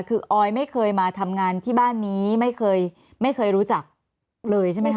คือออยไม่เคยมาทำงานที่บ้านนี้ไม่เคยไม่เคยรู้จักเลยใช่ไหมคะ